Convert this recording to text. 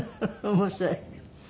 面白い。